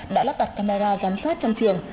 đã lắp đặt camera giám sát trong trường